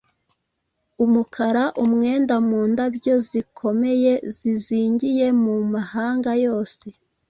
umukara umwenda Mu ndabyo zikomeye zizingiye mu mahanga yose: